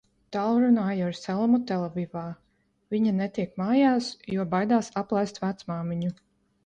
Tālrunāju ar Selmu Telavivā, viņa netiek mājās, jo baidās aplaist vecmāmiņu.